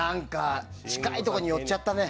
近いところに寄っちゃったね。